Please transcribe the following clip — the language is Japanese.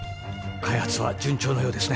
開発は順調のようですね。